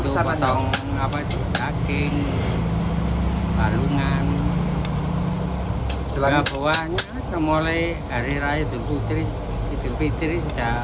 berapa untuk potong apa cipta king lalungan selangor buahnya semuanya hari raya dan putri